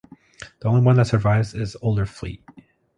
The only one that survives is "Olderfleet".